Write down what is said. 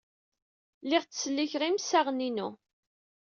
Lliɣ ttkellixeɣ imsaɣen-inu.